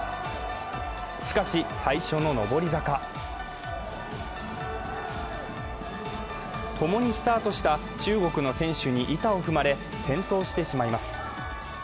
しかし、最初の上り坂共にスタートした中国の選手に板を踏まれ転倒してしまいます。